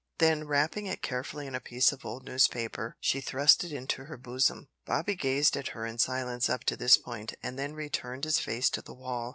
Then wrapping it carefully in a piece of old newspaper, she thrust it into her bosom. Bobby gazed at her in silence up to this point, and then turned his face to the wall.